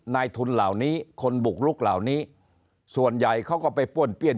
นายทุนเหล่านี้คนบุกลุกเหล่านี้ส่วนใหญ่เขาก็ไปป้วนเปี้ยน